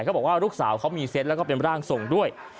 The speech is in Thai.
เขาบอกว่าลูกสาวเขามีเซ็ตแล้วก็เป็นร่างทรงด้วย